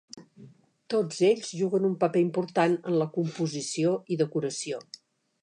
Tots ells juguen un paper important en la composició i decoració.